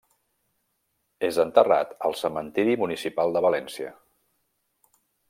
És enterrat al Cementiri Municipal de València.